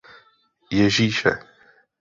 Ježíše.